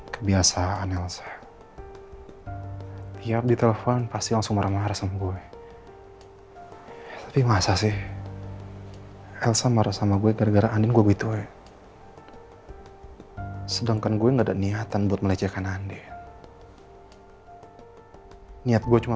kenapa sienna bisa berpikiran seperti itu